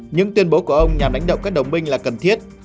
những tuyên bố của ông nhằm đánh động các đồng minh là cần thiết